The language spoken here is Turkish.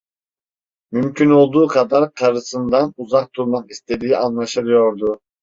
Mümkün olduğu kadar karısından uzak durmak istediği anlaşılıyordu.